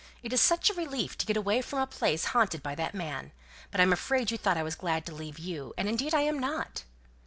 "It is such a relief to get away from a place haunted by that man; but I'm afraid you thought I was glad to leave you; and indeed I am not."